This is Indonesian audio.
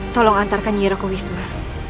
tolong antarkan yiro ke wisma